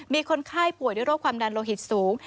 มีคนไข้ป่วยด้วยโรคความดันโลหิตสูง